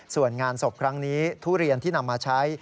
ส่วนงานศพครั้งนี้ทุเรียนที่นำมาใช้